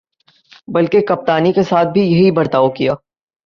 بلکہ کپتانی کے ساتھ بھی یہی برتاؤ کیا۔